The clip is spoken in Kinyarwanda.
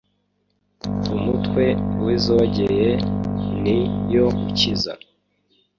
Umutwe w' Izogeye ni yo ukiza